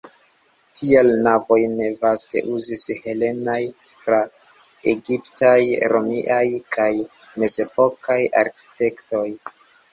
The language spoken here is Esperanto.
Tial navojn vaste uzis helenaj, pra-egiptaj, romiaj kaj mezepokaj arkitektoj.